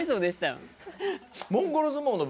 あモンゴル相撲で？